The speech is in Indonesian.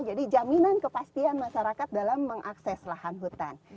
jadi jaminan kepastian masyarakat dalam mengakses lahan hutan